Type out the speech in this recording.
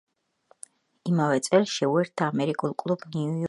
იმავე წელს შეუერთდა ამერიკულ კლუბ „ნიუ-იორკ სიტის“.